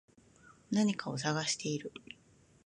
何かを探している